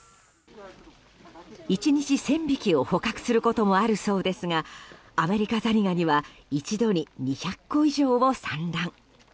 １日１０００匹を捕獲することもあるそうですがアメリカザリガニは一度に２００個以上を産卵。